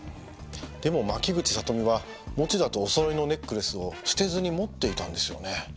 でも牧口里美は持田とおそろいのネックレスを捨てずに持っていたんですよね？